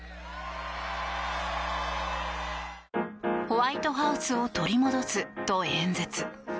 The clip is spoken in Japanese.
ホワイトハウスを取り戻すと演説。